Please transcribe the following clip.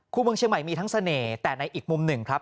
เมืองเชียงใหม่มีทั้งเสน่ห์แต่ในอีกมุมหนึ่งครับ